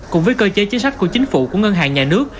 cùng với cơ chế chính sách của chính phủ của ngân hàng nhà nước